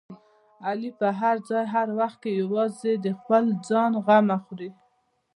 علي په هر ځای او هر وخت کې یوازې د خپل ځان غمه خوري.